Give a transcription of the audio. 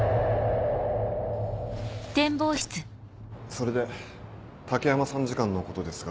それで武山参事官のことですが。